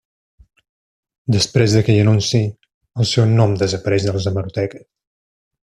Després d'aquell anunci el seu nom desapareix de les hemeroteques.